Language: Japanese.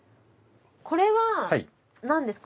これはなんですか？